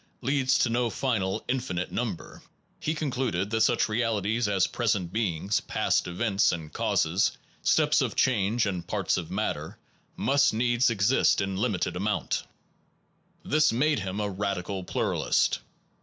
leads to no final in finite number, he concluded that such reali Renou ties as present beings, past events vier s solution and causes, steps of change and parts of matter, must needs exist in limited amount. This made of him a radical pluralist.